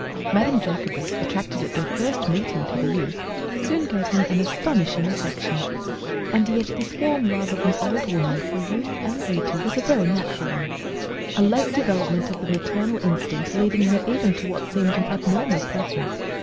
Madame Jacobus, attracted at their first meeting to the youth, soon gave him an astonishing affection. And yet this warm love of an old woman for youth and beauty was a very natural one a late development of the maternal instinct leading her even to what seemed an abnormal preference.